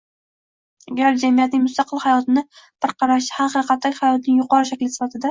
agar “jamiyatning mustaqil hayoti”ni bir qarashda “haqiqatdagi hayot” ning “yuqori shakli” sifatida